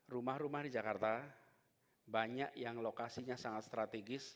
rumah rumah di jakarta banyak yang lokasinya sangat strategis